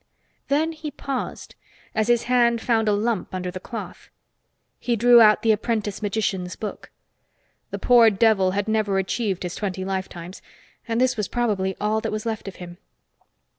Then he paused as his hand found a lump under the cloth. He drew out the apprentice magician's book. The poor devil had never achieved his twenty lifetimes, and this was probably all that was left of him.